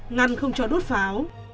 ngăn không cho đốt pháo